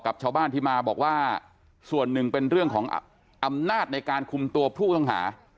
ชาวบ้านที่มาบอกว่าส่วนหนึ่งเป็นเรื่องของอำนาจในการคุมตัวผู้ต้องหา